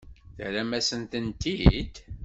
Terram-asent-tent-id?